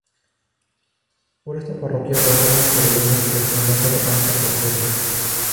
Por esta parroquia bajaban los peregrinos por San Lázaro hasta Oviedo.